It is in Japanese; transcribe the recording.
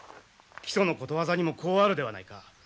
木曽のことわざにもこうあるではないか。